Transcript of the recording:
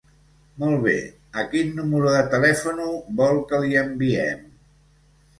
Molt bé, a quin número de telèfon vol que li enviem?